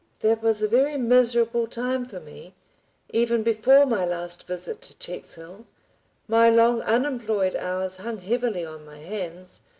That was a very miserable time for me, even before my last visit to Checkshill. My long unemployed hours hung heavily on my hands.